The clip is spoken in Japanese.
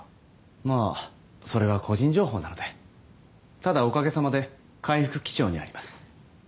まあそれは個人情報なのでただおかげさまで回復基調にあります